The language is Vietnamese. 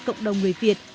cộng đồng người việt